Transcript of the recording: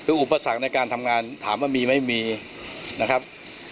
คืออุปสรรคในการทำงานถามว่ามีไหมมีนะครับ